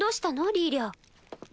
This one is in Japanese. リーリャ。